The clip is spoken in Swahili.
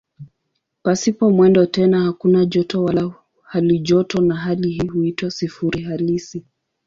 Pasipo mwendo tena hakuna joto wala halijoto na hali hii huitwa "sifuri halisi".